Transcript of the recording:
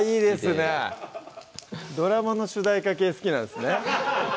ドラえもんの主題歌系好きなんですね